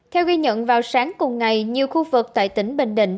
theo ghi nhận vào sáng cùng ngày nhiều khu vực tại tỉnh bình định